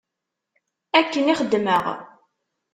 Akken i xeddmeɣ.